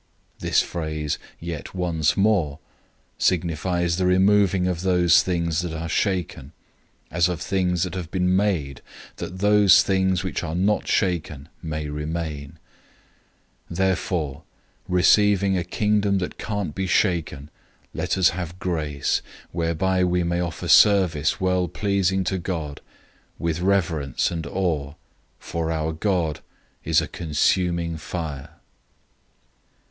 "{Haggai 2:6} 012:027 This phrase, "Yet once more," signifies the removing of those things that are shaken, as of things that have been made, that those things which are not shaken may remain. 012:028 Therefore, receiving a Kingdom that can't be shaken, let us have grace, through which we serve God acceptably, with reverence and awe, 012:029 for our God is a consuming fire.